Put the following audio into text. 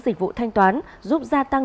dịch vụ thanh toán giúp gia tăng